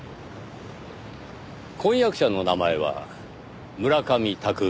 婚約者の名前は村上巧。